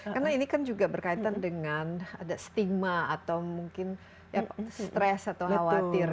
karena ini kan juga berkaitan dengan ada stigma atau mungkin stress atau khawatir